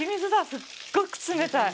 すっごく冷たい。